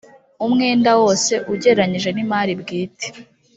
umwenda wose ugereranije n imari bwite